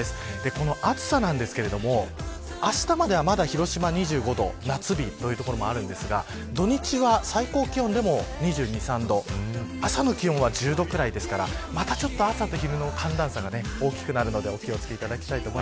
この暑さですがあしたまでは、まだ広島２５度夏日という所もありますが土日は最高気温でも２２、２３度朝の気温は１０度くらいですから朝と昼の寒暖差が大きくなるので気を付けてください。